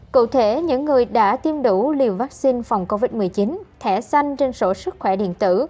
cụ thể những người đã tiêm đủ liều vaccine phòng covid một mươi chín thẻ xanh trên sổ sức khỏe điện tử